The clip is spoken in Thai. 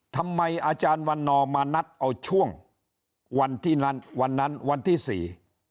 อาจารย์วันนอมานัดเอาช่วงวันที่นั้นวันนั้นวันที่สี่